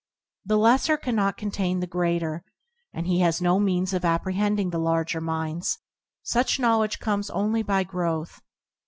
The lesser cannot con tain the greater, and he has no means of ap prehending the larger minds; such know ledge comes only by growth.